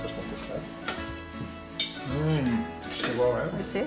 おいしい。